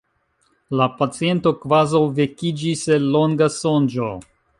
La paciento kvazaŭ vekiĝis el longa sonĝo.